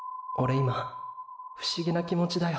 今不思議な気持ちだよ。